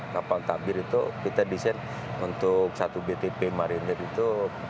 kapal kabir itu kita desain untuk satu btp marinir itu